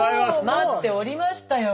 待っておりましたよ